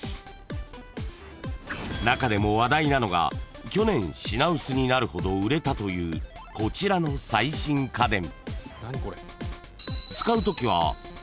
［中でも話題なのが去年品薄になるほど売れたというこちらの最新家電］